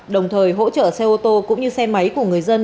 đồng thời hỗ trợ xe ô tô cũng như xe máy của người dân